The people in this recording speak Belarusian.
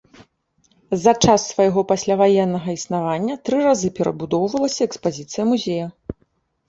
За час свайго пасляваеннага існавання тры разы перабудоўвалася экспазіцыя музея.